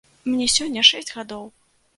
Мне сёння шэсць гадоў!